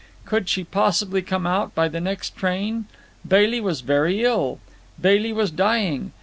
Could she possibly come out by the next train? Bailey was very ill. Bailey was dying.